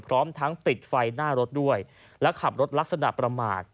พร้อมทั้งปิดไฟหน้ารถด้วยและขับรถลักษณะประมาท